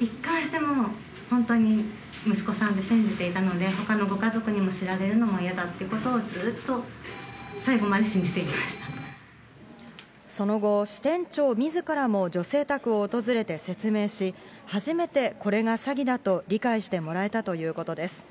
一貫して本当に息子さんと信じていたので、ほかのご家族にも知られるのも嫌だということをずっとその後、支店長みずからも女性宅を訪れて説明し、初めてこれが詐欺だと理解してもらえたということです。